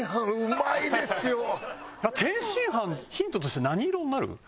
天津飯ヒントとして何色になる？